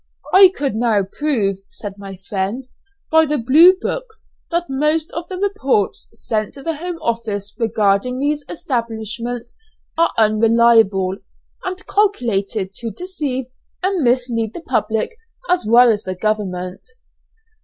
"I could now prove," said my friend, "by the Blue Books, that most of the reports sent to the Home Office regarding these establishments are unreliable, and calculated to deceive and mislead the public as well as the government."